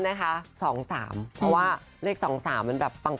แต่ดิฉันนะคะ๒๓เพราะว่าเลข๒๓มันแบบปัง